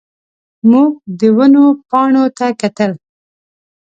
موږ د ونو پاڼو ته کتل.